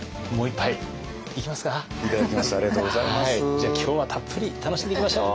じゃあ今日はたっぷり楽しんでいきましょう！